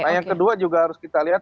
nah yang kedua juga harus kita lihat